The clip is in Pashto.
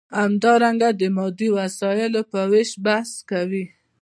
همدارنګه د مادي وسایلو په ویش بحث کوي.